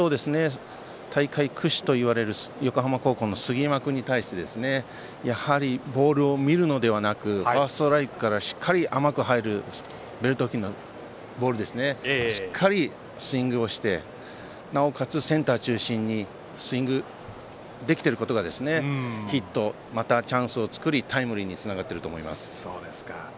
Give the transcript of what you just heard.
大会屈指といわれる横浜高校の杉山君に対してやはりボールを見るのではなくファーストストライクからしっかり甘く入るベルト付近のボールをしっかり、スイングをしてなおかつセンター中心にスイングできていることがヒット、またチャンスを作りタイムリーにつながっていると思います。